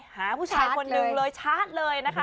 หาผู้ชายคนหนึ่งเลยชาร์จเลยนะคะ